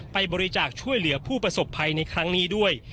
ไปบริจาคช่วยเหลือผู้ประสบภัยในครั้งนี้ด้วย